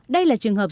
đây là trường hợp